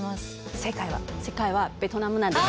正解はベトナムなんです。